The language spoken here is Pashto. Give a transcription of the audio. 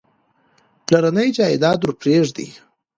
پلرنی جایداد ورپرېږدي.